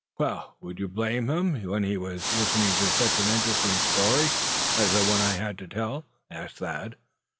"Well, would you blame him, when he was listening to such an interesting story as the one I had to tell?" asked Thad.